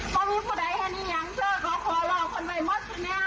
พ่อวิภุใดฮันนี่อย่างเธอเค้าขอรอคนไว้หมดทุกแนว